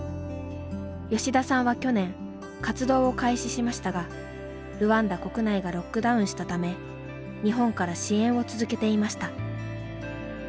吉田さんは去年活動を開始しましたがルワンダ国内がロックダウンしたため日本から支援を続けていました。